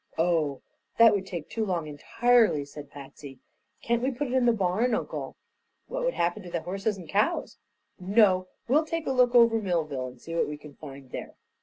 "Oh, that would take too long, entirely," said Patsy. "Can't we put it in the barn, Uncle?" "What would happen to the horses and cows? No; we'll take a look over Millville and see what we can find there."